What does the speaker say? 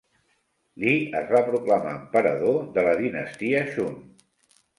Li es va proclamar emperador de la dinastia Shun.